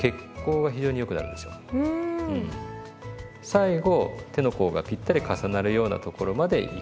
最後手の甲がぴったり重なるようなところまでいく。